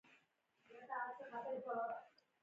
په دې سیمه کې سره او سپین زر د استخراج لپاره نه وو.